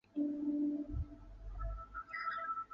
平坝铁线莲为毛茛科铁线莲属下的一个种。